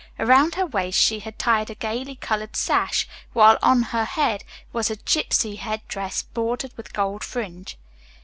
Around her waist she had tied a gayly colored sash, while on her head was a gipsy headdress bordered with gold fringe.